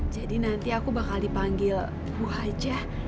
jadi nanti aku bakal dipanggil bu hajah